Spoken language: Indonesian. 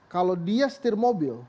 kalau dia setir mobil